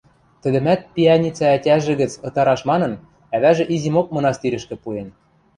Тӹдӹмӓт пиӓницӓ ӓтяжӹ гӹц «ытараш» манын, ӓвӓжӹ изимок мынастирӹшкӹ пуэн.